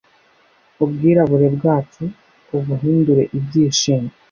ubwirabure bwacu ubuhindure ibyishimo,